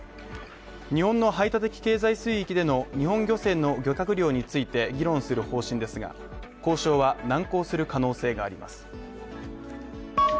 日本の排他的経済水域での日本漁船の漁獲量について議論する方針ですが交渉は難航する可能性があります。